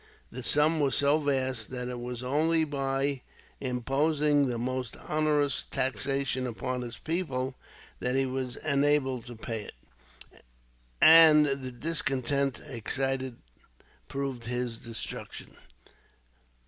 The sum was so vast that it was only by imposing the most onerous taxation upon his people that he was enabled to pay it, and the discontent excited proved his destruction.